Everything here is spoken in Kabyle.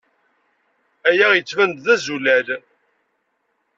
Aya yettban-d d azulal?